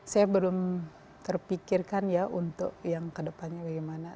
saya belum terpikirkan ya untuk yang kedepannya bagaimana